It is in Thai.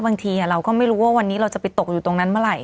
บางทีเราก็ไม่รู้ว่าวันนี้เราจะไปตกอยู่ตรงนั้นเมื่อไหร